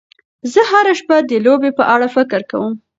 زه هره شپه د لوبې په اړه فکر کوم.